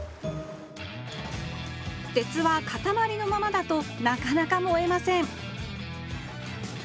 鉄はかたまりのままだとなかなか燃えません